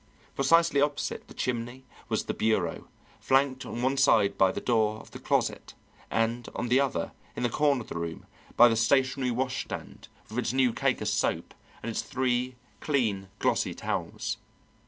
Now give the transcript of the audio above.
Precisely opposite the chimney was the bureau, flanked on one side by the door of the closet, and on the other in the corner of the room by the stationary washstand with its new cake of soap and its three clean, glossy towels.